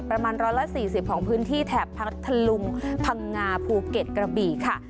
ประมาณ๑๔๐ของพื้นที่แถบพัทธลุงพังงาภูเก็ตกระบี่ค่ะ